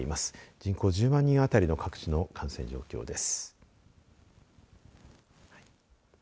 人口１０万人あたりの各地の感染状況です。